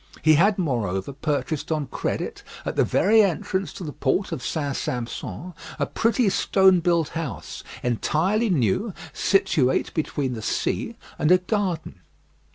He had, moreover, purchased on credit, at the very entrance to the port of St. Sampson, a pretty stone built house, entirely new, situate between the sea and a garden.